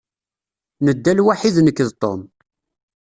Nedda lwaḥid nekk d Tom.